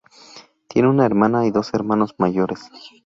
Tiene una hermana y dos hermanos mayores.